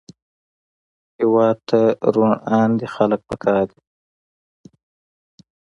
هېواد ته روڼ اندي خلک پکار دي